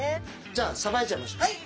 じゃあさばいちゃいましょう。